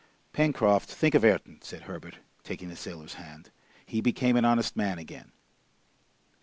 "Pencroft, think of Ayrton!" said Herbert, taking the sailor's hand. "He became an honest man again!"